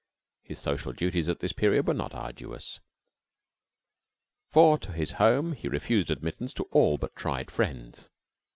His social duties at this period were not arduous, for to his home he refused admittance to all but tried friends.